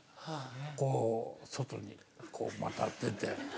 こう外にこうまた出て。